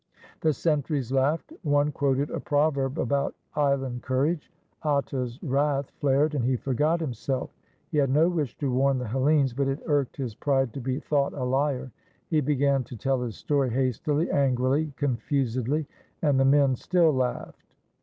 The sentries laughed. One quoted a proverb about island courage. Atta's wrath flared and he forgot him self. He had no wish to warn the Hellenes, but it irked his pride to be thought a liar. He began to tell his story hastily, angrily, confusedly; and the men still laughed.